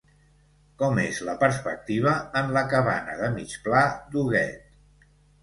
Com és la perspectiva en la cabana de mig pla d'Huguet?